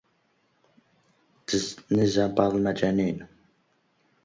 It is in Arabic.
نزا بعض المجانين